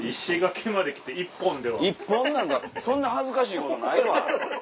１本なんかそんな恥ずかしいことないわ。